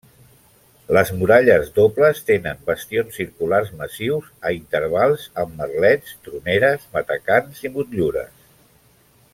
Les muralles dobles tenen bastions circulars massius a intervals, amb merlets, troneres, matacans i motllures.